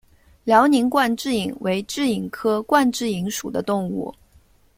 辽宁冠蛭蚓为蛭蚓科冠蛭蚓属的动物。